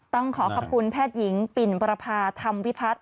ต้องขอขอบคุณแพทย์หญิงปิ่นประพาธรรมวิพัฒน์